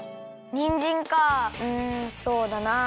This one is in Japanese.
にんじんかうんそうだなあ。